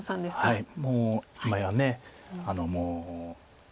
はい。